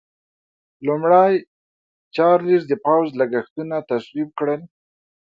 لومړي چارلېز د پوځ لګښتونه تصویب کړل.